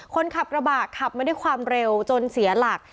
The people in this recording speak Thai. คนขับกระบะขับมาด้วยความเร็วจนเสียหลัก